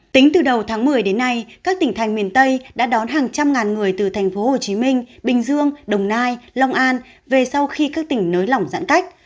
tính từ đầu tháng một mươi đến nay các tỉnh thành miền tây đã đón hàng trăm ngàn người từ tp hcm bình dương đồng nai long an về sau khi các tỉnh nới lỏng giãn cách